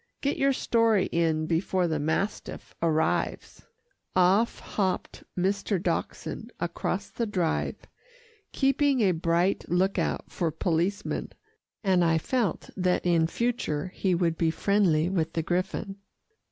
Get your story in before the mastiff arrives." Off hopped Mr. Dachshund across the Drive, keeping a bright look out for policemen, and I felt that in future he would be friendly with the griffon.